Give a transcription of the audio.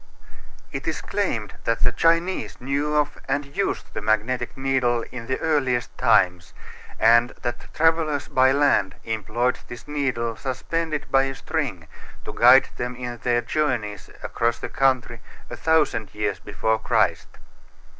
It is claimed that the Chinese knew of and used the magnetic needle in the earliest times and that travelers by land employed this needle suspended by a string to guide them in their journeys across the country a thousand years before Christ.